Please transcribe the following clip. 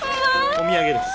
お土産です。